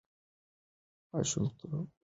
ماشومان په سالمه چاپېریال کې وده کوي.